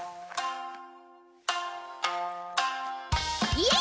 イエイ！